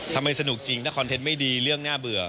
สนุกจริงถ้าคอนเทนต์ไม่ดีเรื่องน่าเบื่อ